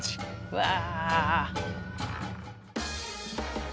うわ。